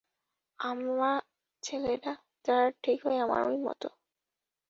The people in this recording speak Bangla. আমার ছেলেরা, যারা ঠিক আমারই মতো।